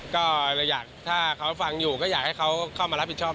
ก็เลยอยากถ้าเขาฟังอยู่ก็อยากให้เขาเข้ามารับผิดชอบ